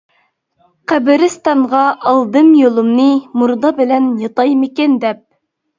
قەبرىستانغا ئالدىم يولۇمنى، مۇردا بىلەن ياتايمىكىن دەپ.